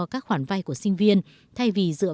các khoản vay của sinh viên thay vì dựa